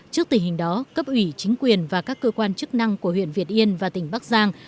trước tình hình đó cấp ủy chính quyền và các cơ quan chức năng của huyện việt yên và tỉnh bắc giang